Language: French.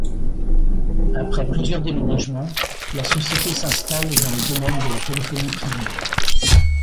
Après plusieurs déménagements, la société s'installe dans le domaine de la téléphonie privée.